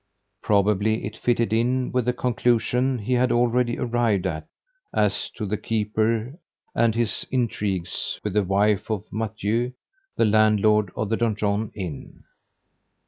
Probably it fitted in with the conclusions he had already arrived at as to the keeper and his intrigues with the wife of Mathieu, the landlord of the Donjon Inn.